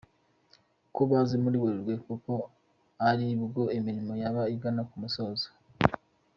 ko baza muri Werurwe kuko aribwo imirimo yaba igana ku musozo.